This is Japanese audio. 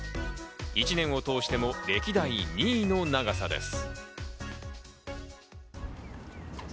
１年を通しても歴代２位の長さです。